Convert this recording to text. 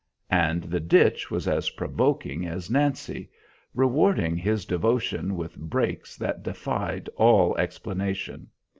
And the ditch was as provoking as Nancy, rewarding his devotion with breaks that defied all explanation.